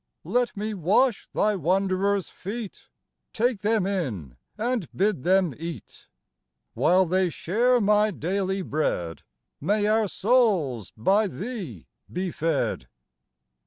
Let me wash Thy wanderers' feet, Take them in, and bid them eat 1 While they share my daily bread, May our souls by Thee be fed